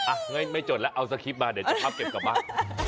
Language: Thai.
อ่ะไม่จดแล้วเอาสกรีปมาเดี๋ยวจะพับเก็บกลับมา